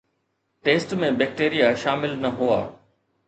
test ۾ bacteria شامل نه هئا